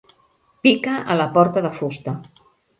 Pica a la porta de fusta.